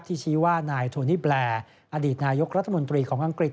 ชี้ว่านายโทนี่แบลอดีตนายกรัฐมนตรีของอังกฤษ